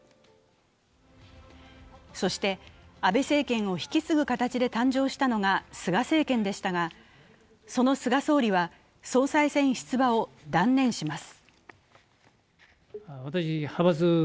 そして、安倍政権を引き継ぐ形で誕生したのが菅政権でしたが、その菅総理は、総裁選出馬を断念します。